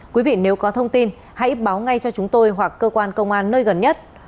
quý vị nếu có thông tin hãy báo ngay cho chúng tôi hoặc cơ quan công an nơi gần nhất